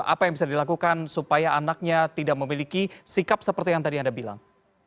apa yang bisa dilakukan supaya anaknya tidak memiliki sikap seperti yang tadi anda bilang